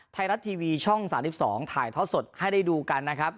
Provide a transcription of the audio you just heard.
ไทยรัฐทีวีช่อง๓๒ถ่ายทอดสดให้ได้ดูกันนะครับ